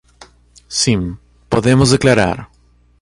Sim, podemos declarar.